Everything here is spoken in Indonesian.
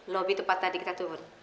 lobby tepat tadi kita turun